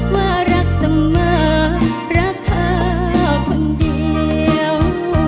ว่ารักเสมอรักเธอคนเดียว